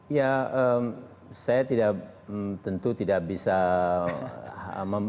ya saya tidak tentu tidak bisa memperbaiki